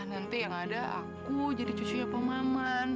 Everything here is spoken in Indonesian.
nanti yang ada aku jadi cucunya pak maman